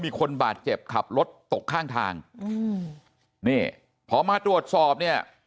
มีคนบาดเจ็บขับรถตกข้างทางอืมนี่พอมาตรวจสอบเนี่ย